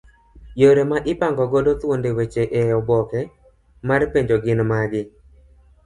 Yore ma ipango godo thuond weche eoboke mar penjo gin magi